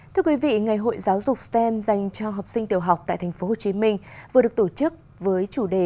thưa quý vị ngày hội giáo dục stem dành cho học sinh tiểu học tại tp hcm vừa được tổ chức với chủ đề